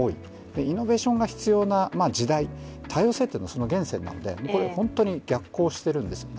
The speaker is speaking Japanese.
イノベーションが必要な時代、多様性っていうのはその源泉なんで、逆行してるんです。